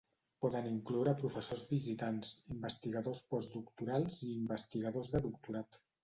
Poden incloure professors visitants, investigadors postdoctorals i investigadors de doctorat.